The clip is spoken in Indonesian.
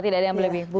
tidak ada yang lebih